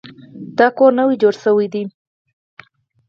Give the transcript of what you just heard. دا کور نوی جوړ شوی دی.